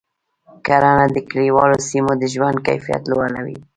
کرنه د کلیوالو سیمو د ژوند کیفیت لوړوي.